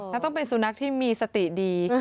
แล้วต้องเป็นสุนัขที่มีสติดี